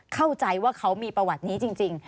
เข้าใจว่าเขามีประวัตินี้จริง